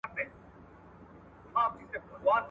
کلاله، وکه خپله سياله.